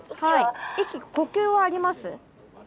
息呼吸はあります？